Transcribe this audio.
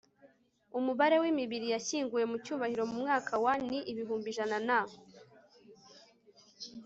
Umubare w imibiri yashyinguwe mu cyubahiro mu mwaka wa ni ibihumbi ijana na